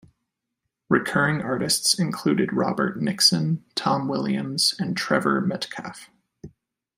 Recurring artists included Robert Nixon, Tom Williams and Trevor Metcalfe.